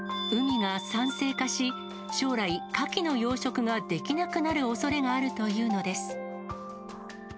海が酸性化し、将来、カキの養殖ができなくなるおそれがあるというのです。